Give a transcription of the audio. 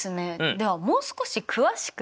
ではもう少し詳しく言うと？